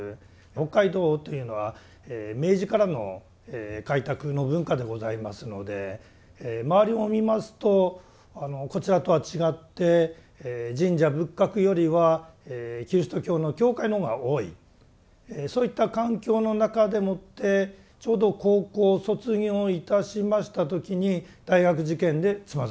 北海道というのは明治からの開拓の文化でございますので周りを見ますとこちらとは違って神社仏閣よりはキリスト教の教会のほうが多いそういった環境の中でもってちょうど高校を卒業いたしました時に大学受験でつまずきます。